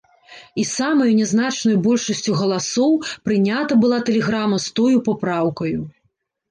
І самаю нязначнаю большасцю галасоў прынята была тэлеграма з тою папраўкаю.